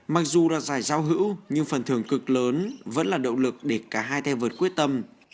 mặc dù là giải giao hữu nhưng phần thưởng cực lớn vẫn là động lực để cả hai theo vợt quyết tâm